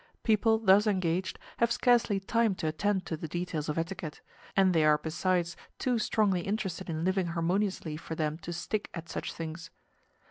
People thus engaged have scarcely time to attend to the details of etiquette, and they are besides too strongly interested in living harmoniously for them to stick at such things.